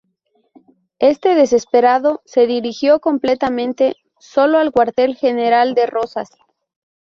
Éste, desesperado, se dirigió completamente solo al cuartel general de Rosas.